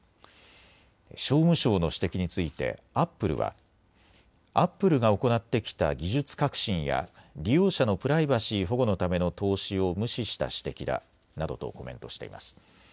商務省の指摘についてアップルはアップルが行ってきた技術革新や利用者のプライバシー保護のための投資を無視した指摘だなどとコメントしています。